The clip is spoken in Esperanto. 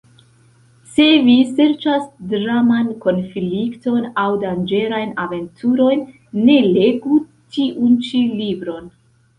Se vi serĉas draman konflikton aŭ danĝerajn aventurojn, ne legu tiun ĉi libron.